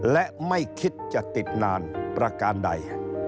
และไม่คิดจะติดนานประการใด